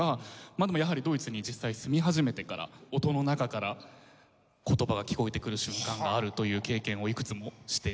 まあでもやはりドイツに実際住み始めてから音の中から言葉が聞こえてくる瞬間があるという経験をいくつもして。